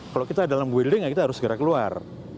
kalau kita dalam building ya kita harus segera keluar